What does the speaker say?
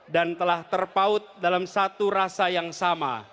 dan telah terpaut dalam satu rasa yang sama